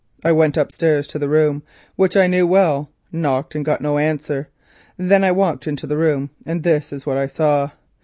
I went upstairs to the room, which I knew well, knocked and got no answer. Then I walked into the room, and this is what I saw.